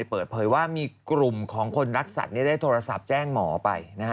เปิดเผยว่ามีกลุ่มของคนรักสัตว์ได้โทรศัพท์แจ้งหมอไป